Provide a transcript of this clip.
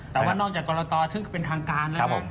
แต่ว่านอกจากกรตอซึ่งเป็นทางการแล้วเนี่ย